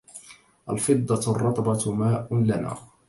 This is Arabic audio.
الفضة الرطبة ماء لنا